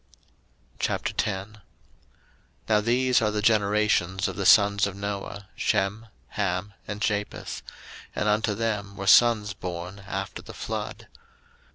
01:010:001 Now these are the generations of the sons of Noah, Shem, Ham, and Japheth: and unto them were sons born after the flood.